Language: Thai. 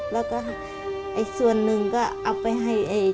แล้วก็ส่วนหนึ่งก็เอาไปให้ใช้หนี้เขา